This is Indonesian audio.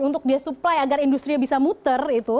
untuk dia supply agar industri bisa muter itu